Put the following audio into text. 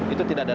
itu tidak ada